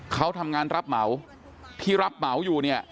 เขาทำงานรับเหมาที่รับเหมาอยู่เนี่ย